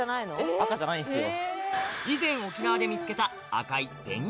赤じゃないんすよ。